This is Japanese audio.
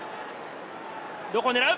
どこを狙う？